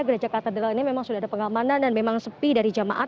gereja katedral ini memang sudah ada pengamanan dan memang sepi dari jemaat